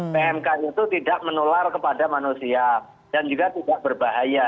pmk itu tidak menular kepada manusia dan juga tidak berbahaya